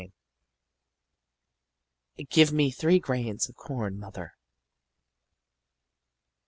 VIII "GIVE ME THREE GRAINS OF CORN, MOTHER!"